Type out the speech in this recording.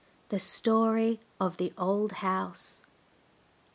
THE STORY OF THE OLD HOUSE.